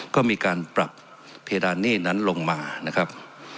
ก็มีการปรับเพดานหนี้นั้นลงมานะครับ